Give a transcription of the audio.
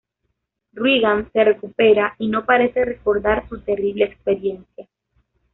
Regan se recupera y no parece recordar su terrible experiencia.